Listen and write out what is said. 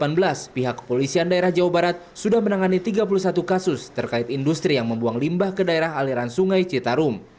selama dua ribu delapan belas pihak kepolisian daerah jawa barat sudah menangani tiga puluh satu kasus terkait industri yang membuang limbah ke daerah aliran sungai citarum